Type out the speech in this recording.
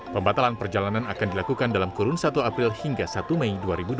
pembatalan perjalanan akan dilakukan dalam kurun satu april hingga satu mei dua ribu dua puluh